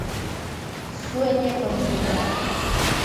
Sueña conmigo.